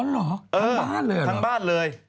เหรอทั้งบ้านเลยเหรอทั้งบ้านเลย